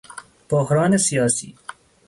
بحران سیاسی